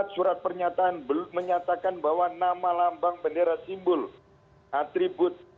empat surat pernyataan menyatakan bahwa nama lambang bendera simbol atribut